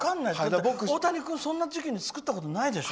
大谷君、そんな時に作ったことないでしょ？